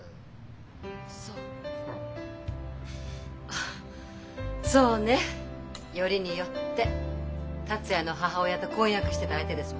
そうそうねよりによって達也の母親と婚約してた相手ですもんね。